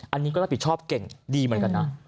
อันนี้ก็รับผิดชอบเก่งดีเหมือนกันนะ